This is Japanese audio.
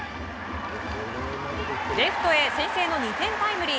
レフトへ先制の２点タイムリー。